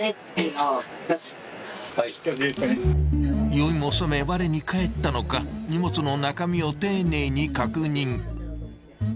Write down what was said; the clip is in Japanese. ［酔いもさめわれに返ったのか荷物の中身を丁寧に確認］